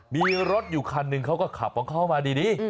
มีรถอยู่คันหนึ่งเขาก็ขับของเขามาดี